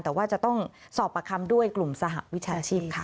แต่ว่าจะต้องสอบประคำด้วยกลุ่มสหวิชาชีพค่ะ